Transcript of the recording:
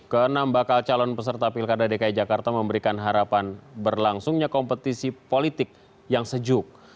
keenam bakal calon peserta pilkada dki jakarta memberikan harapan berlangsungnya kompetisi politik yang sejuk